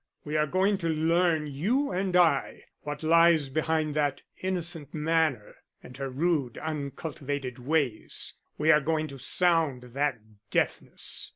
We are going to learn, you and I, what lies behind that innocent manner and her rude, uncultivated ways. We are going to sound that deafness.